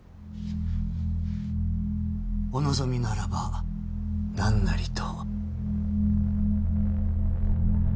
お望みならば何なりと。